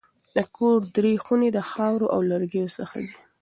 د کور درې خونې د خاورو او لرګیو څخه دي.